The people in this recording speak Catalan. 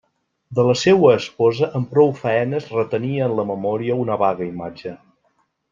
De la seua esposa amb prou faenes retenia en la memòria una vaga imatge.